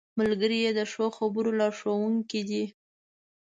ملګری د ښو خبرو لارښوونکی دی